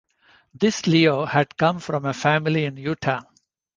This Leo had come from a family in Utah.